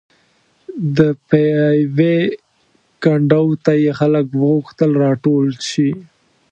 د پېوې کنډو ته یې خلک وغوښتل راټول شي.